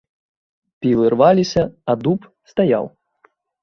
Пілы рваліся, а дуб стаяў.